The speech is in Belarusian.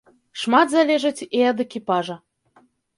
Шмат залежыць і ад экіпажа.